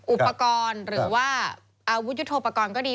อุปกรณ์หรือว่าอาวุธยุทธโปรกรณ์ก็ดี